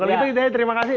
kalau gitu kita terima kasih